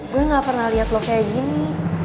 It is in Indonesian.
gue gak pernah lihat lo kayak gini